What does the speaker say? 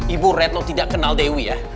ibu retno tidak kenal dewi ya